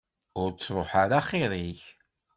Ur ttruḥ ara axir-ik.